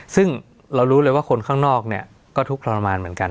ซึ่งเรารู้เลยว่าคนข้างนอกเนี่ยก็ทุกข์ทรมานเหมือนกัน